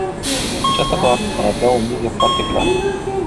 Acesta va avea o miză foarte clară.